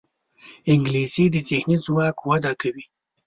انګلیسي د ذهني ځواک وده کوي